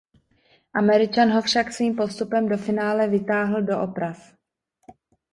Američan ho však svým postupem do finále vytáhl do oprav.